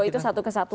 oh itu satu kesatuan